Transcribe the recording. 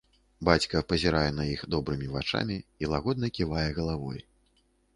Бацька пазірае на іх добрымі вачамі і лагодна ківае галавой.